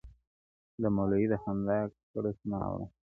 د مولوي د خندا کړس نه اورم !.